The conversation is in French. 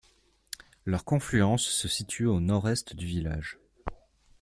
Leur confluence se situe au nord-est du village.